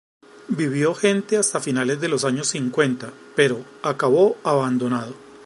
Vivió gente hasta finales de los años cincuenta pero acabó abandonado.